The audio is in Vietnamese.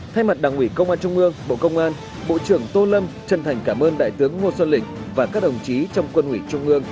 thay mặt đảng ủy công an trung ương bộ công an bộ trưởng tô lâm chân thành cảm ơn đại tướng ngô xuân lịch và các đồng chí trong quân ủy trung ương